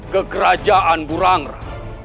ke kerajaan burangra